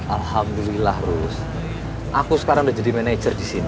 alhamdulillah rus aku sekarang udah jadi manajer di sini